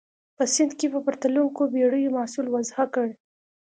په سیند کې پر تلونکو بېړیو محصول وضع کړ.